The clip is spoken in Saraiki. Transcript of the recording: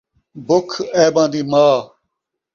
بکھ عیباں دی ماء